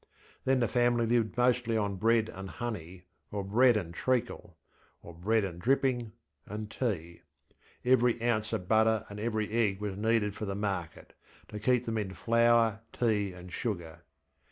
Then the family lived mostly on bread and honey, or bread and treacle, or bread and dripping, and tea. Every ounce of butter and every egg was needed for the market, to keep them in flour, tea, and sugar.